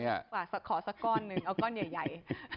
ฝากขอสักก้อนหนึ่งเอาก้อนใหญ่